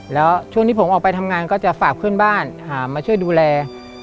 แล้วช่วงที่ผมออกไปทำงานก็จะฝากเพื่อนบ้านมาช่วยดูแล